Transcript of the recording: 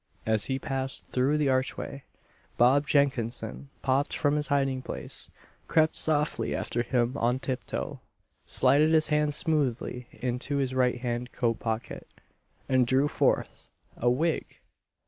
As he passed through the archway, Bob Jenkinson popp'd from his hiding place, crept softly after him on tip toe, slided his hand smoothly into his right hand coat pocket, and drew forth a wig!